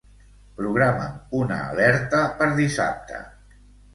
Programa'm una alerta per dissabte.